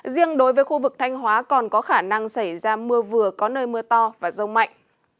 riêng đối với khu vực thanh hóa còn có khả năng xảy ra mưa vừa có nơi mưa to và rông mạnh